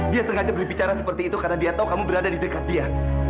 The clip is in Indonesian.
dia sengaja berbicara seperti itu karena dia tahu kamu berada di dekat dia